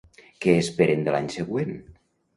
Què esperen de l'any següent?